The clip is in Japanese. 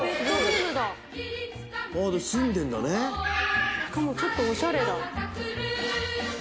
しかもちょっとおしゃれだ。